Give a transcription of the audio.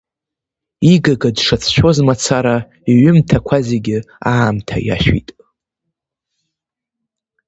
Игага дшацәшәоз мацара, иҩымҭақәа зегьы аамҭа иашәит.